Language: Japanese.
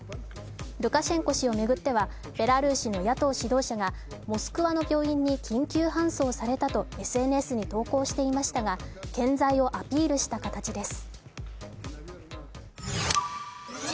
ルカシェンコ氏を巡っては、ベラルーシの野党指導者が、モスクワの病院に緊急搬送されたとＳＮＳに投稿していましたが健在をアピールした形です。